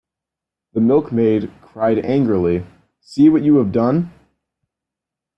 The milk-maid cried angrily; "see what you have done!"